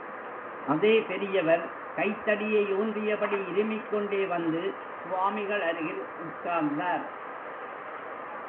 அதே பெரியவர், கைத்தடியை ஊன்றியபடி இருமிக்கொண்டே வந்து, சுவாமிகள் அருகில் உட்கார்ந்தார்.